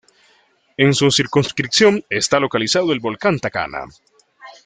En su circunscripción está localizado el volcán Tacaná.